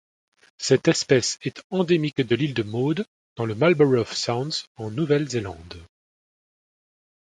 Cette espèce est endémique de l'île de Maud dans le Marlborough Sounds en Nouvelle-Zélande.